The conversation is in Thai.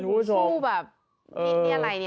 คู่แบบนี่อะไรนี่